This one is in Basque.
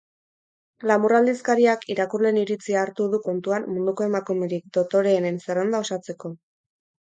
Glamour aldizkariak irakurleen iritzia hartu du kontutan munduko emakumerik dotoreenen zerrenda osatzeko.